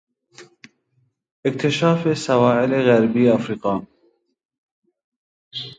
اکتشاف سواحل غربی افریقا